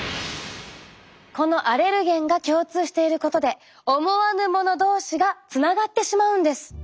このアレルゲンが共通していることで思わぬもの同士がつながってしまうんです。